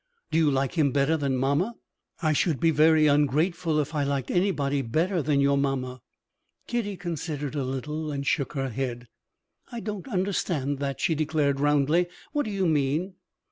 "Do you like him better than mamma?" "I should be very ungrateful, if I liked anybody better than your mamma." Kitty considered a little, and shook her head. "I don't understand that," she declared roundly. "What do you mean?"